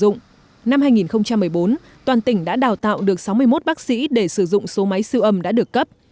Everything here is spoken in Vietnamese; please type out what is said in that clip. năm hai nghìn một mươi bốn toàn tỉnh đã đào tạo được sáu mươi một bác sĩ để sử dụng số máy siêu âm đã được cấp